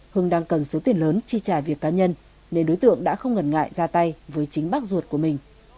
hưng đang cần số tiền lớn chi trả việc cá nhân nên đối tượng đã không ngần ngại ra tay với chính bác ruột của mình